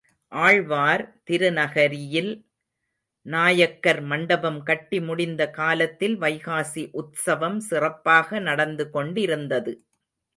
ஆழ்வார் திருநகரியில் நாயக்கர் மண்டபம் கட்டி முடிந்த காலத்தில் வைகாசி உத்சவம் சிறப்பாக நடந்து கொண்டிருந்தது.